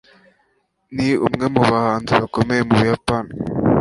ni umwe mu bahanzi bakomeye mu buyapani